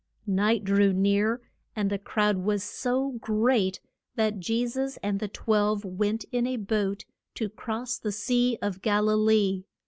Night drew near, and the crowd was so great that Je sus and the twelve went in a boat to cross the Sea of Gal i lee.